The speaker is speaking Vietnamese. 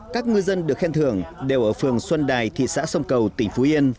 các ngư dân được khen thưởng đều ở phường xuân đài thị xã sông cầu tỉnh phú yên